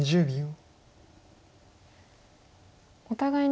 １０秒。